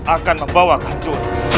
akan membawa kacau